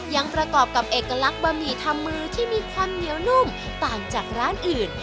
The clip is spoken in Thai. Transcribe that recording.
ยังประกอบกับเอกลักษณ์บะหมี่ทำมือที่มีความเหนียวนุ่มต่างจากร้านอื่น